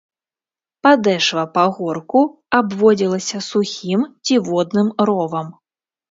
Падэшва пагорку абводзілася сухім ці водным ровам.